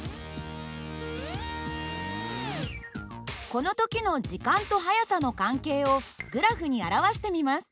この時の時間と速さの関係をグラフに表してみます。